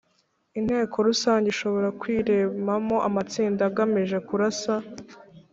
Inteko rusange ishobora kwiremamo amatsinda agamije kurasa